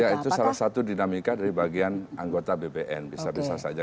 ya itu salah satu dinamika dari bagian anggota bpn bisa bisa saja